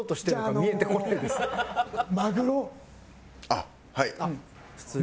あっはい。